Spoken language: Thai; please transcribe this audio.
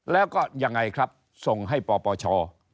แล้วก็ยังไงครับส่งให้ปปช